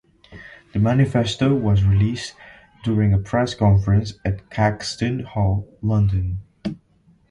The manifesto was released during a press conference at Caxton Hall, London.